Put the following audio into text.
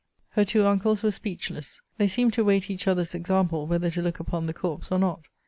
Her two uncles were speechless. They seemed to wait each other's example, whether to look upon the corpse, or not.